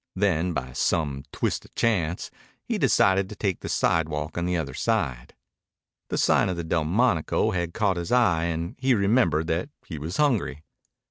Then, by some twist of chance, he decided to take the sidewalk on the other side. The sign of the Delmonico had caught his eye and he remembered that he was hungry.